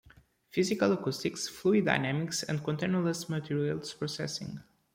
Physical acoustics, fluid dynamics and containerless materials processing.